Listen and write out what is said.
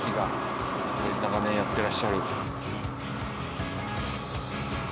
長年やってらっしゃる。